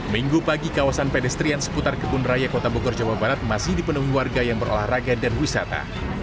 minggu pagi kawasan pedestrian seputar kebun raya kota bogor jawa barat masih dipenuhi warga yang berolahraga dan wisata